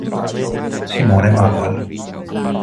Simone Manuel